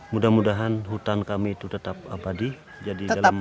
mudah mudahan hutan kami itu tetap abadi